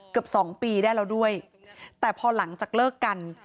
เกือบสองปีได้แล้วด้วยแต่พอหลังจากเลิกกัน